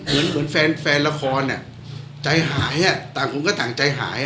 เหมือนแฟนละครใจหายต่างคนก็ต่างใจหาย